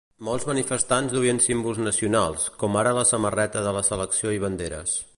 Molts manifestants duien símbols nacionals, com ara la samarreta de la selecció i banderes.